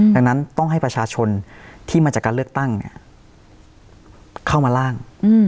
ดังนั้นต้องให้ประชาชนที่มาจากการเลือกตั้งเข้ามาล่าง